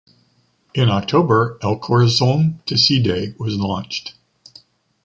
In October, “El Corazón Decide” was launched.